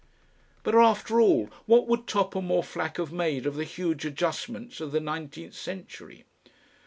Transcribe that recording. But, after all, what would Topham or Flack have made of the huge adjustments of the nineteenth century?